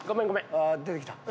ああ出てきた。